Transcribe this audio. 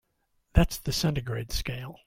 That's the centigrade scale.